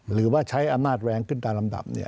หรือว่าใช้อำนาจแรงขึ้นตามลำดับ